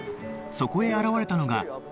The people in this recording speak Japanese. そこへ現れたのが